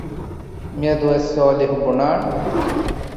މިއަދުވެސް ސާލިހް ބުނާނެ